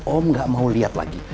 om gak mau lihat lagi